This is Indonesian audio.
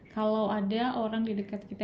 kalau ada orang di dekat kita